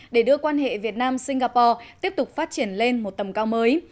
để đưa quan hệ việt nam singapore tiếp tục phát triển lên một tầm cao mới